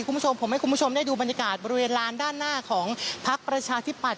คุณผู้ชมได้ดูบรรยากาศบริเวณร้านด้านหน้าของพักประชาธิปัตย์